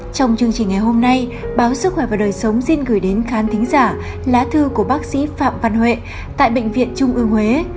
trong chương trình ngày hôm nay báo sức khỏe và đời sống xin gửi đến khán thính giả lá thư của bác sĩ phạm văn huệ tại bệnh viện trung ương huế